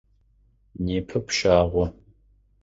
Непэ пщагъо.